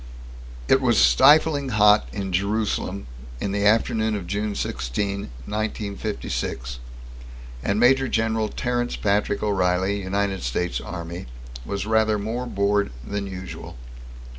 _It was stifling hot in Jerusalem in the afternoon of June 16, 1956, and Major General Terence Patrick O'Reilly, United States Army, was rather more bored than usual.